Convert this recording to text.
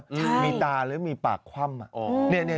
ใช่มีตาเลยมีปากฟ่ำนี่นี่